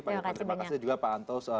terima kasih juga pak antos